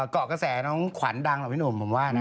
เกาะกระแสน้องขวัญดังเนอะพี่หนุ่ม